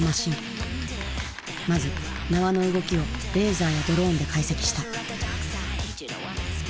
まず縄の動きをレーザーやドローンで解析した。